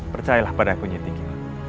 percayalah pada akunya tinggi